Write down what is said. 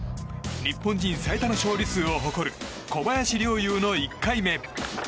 日本人最多の勝利数を誇る小林陵侑の１回目。